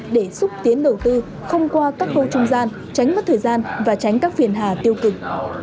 để xúc tiến đầu tư không qua các khâu trung gian tránh mất thời gian và tránh các phiền hà tiêu cực